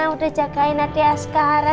udah jagain nanti askara